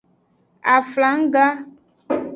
Aflangga.